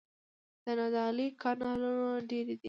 د نادعلي کانالونه ډیر دي